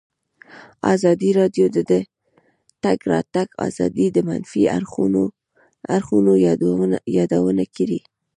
ازادي راډیو د د تګ راتګ ازادي د منفي اړخونو یادونه کړې.